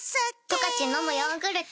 「十勝のむヨーグルト」